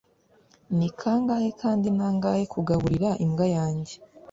ni kangahe kandi nangahe kugaburira imbwa yanjye